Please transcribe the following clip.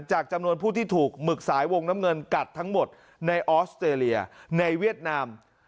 จำนวนผู้ที่ถูกหมึกสายวงน้ำเงินกัดทั้งหมดในออสเตรเลียในเวียดนาม